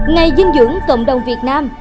ngày dinh dưỡng cộng đồng việt nam